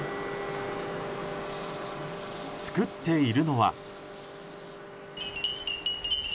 作っているのは。